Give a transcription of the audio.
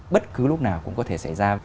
bất cứ lúc nào cũng có thể xảy ra